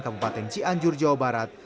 kabupaten cianjur jawa barat